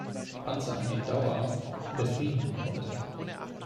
Panzerarmee dauerhaft „befrieden“ konnte.